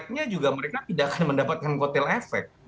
karena partai itu mereka tidak akan mendapatkan kotel efek